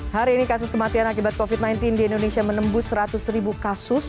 hari ini kasus kematian akibat covid sembilan belas di indonesia menembus seratus ribu kasus